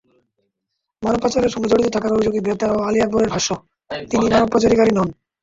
মানবপাচারের সঙ্গে জড়িত থাকার অভিযোগে গ্রেপ্তার হওয়া আলী আকবরের ভাষ্য, তিনি মানবপাচারকারী নন।